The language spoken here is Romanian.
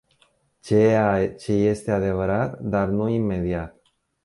Ceea ce este adevărat, dar nu imediat.